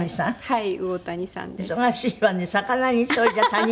はい。